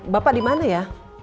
bapak dimana ya